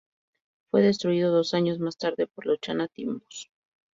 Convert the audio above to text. Fue destruido dos años más tarde por los chaná-timbúes.